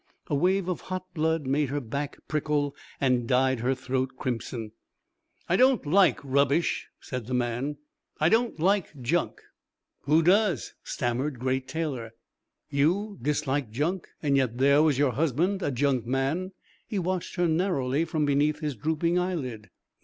A wave of hot blood made her back prickle and dyed her throat crimson. "I don't like rubbish," said the man. "I don't like junk." "Who does?" stammered Great Taylor. "You dislike junk, and yet there was your husband, a junkman." He watched her narrowly from beneath his drooping eyelid.